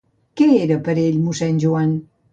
Què era, per ell, mossèn Joan?